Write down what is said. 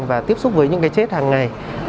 và tiếp xúc với những cái chết hàng ngày